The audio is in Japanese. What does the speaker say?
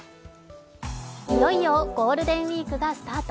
いよいよゴールデンウイークがスタート。